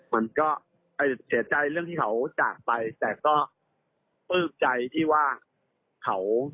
มันก็เสียใจเรื่องที่เขาจากไปแต่ก็ปลื้มใจที่ว่าเขา